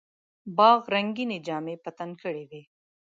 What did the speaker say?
باغ رنګیني جامې په تن کړې وې.